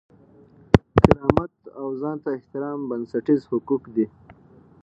کرامت او ځان ته احترام بنسټیز حقوق دي.